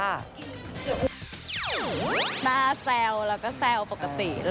หน้าแซวแล้วก็แซวปกติ